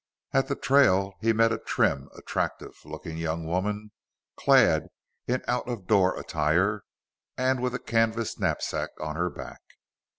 At the trail he met a trim, active looking young woman, clad in out of door attire and with a canvas knapsack on her back.